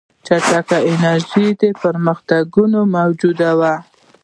چټک ټکنالوژیکي پرمختګونه موجود وو